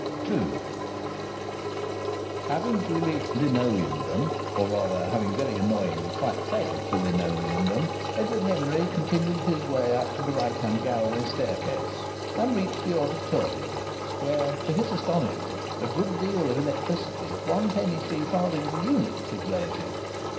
II Having duly "linoleumed them," or rather having very annoyingly quite failed to "linoleum them," Edward Henry continued his way up the right hand gallery staircase, and reached the auditorium, where to his astonishment a good deal of electricity, at one penny three farthings a unit, was blazing.